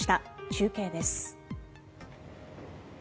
中継です。